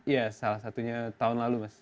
ya salah satunya tahun lalu mas